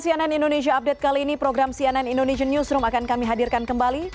cnn indonesia update kali ini program cnn indonesian newsroom akan kami hadirkan kembali